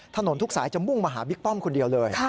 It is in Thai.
ทุกสายจะมุ่งมาหาบิ๊กป้อมคนเดียวเลย